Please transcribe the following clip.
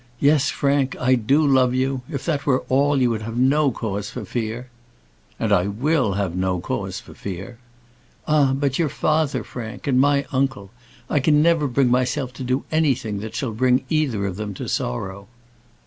"Yes, Frank, I do love you; if that were all you would have no cause for fear." "And I will have no cause for fear." "Ah; but your father, Frank, and my uncle. I can never bring myself to do anything that shall bring either of them to sorrow."